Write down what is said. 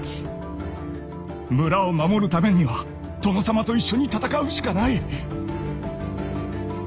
村を守るためには殿様と一緒に戦うしかない。